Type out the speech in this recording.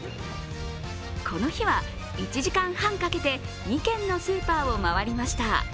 この日は１時間半かけて２軒のスーパーを回りました。